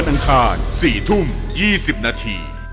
๒๐นาที